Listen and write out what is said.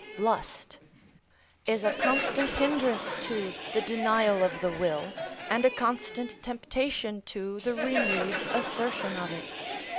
_, lust, is a constant hindrance to the denial of the will, and a constant temptation to the renewed assertion of it.